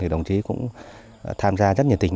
thì đồng chí cũng tham gia rất nhiệt tình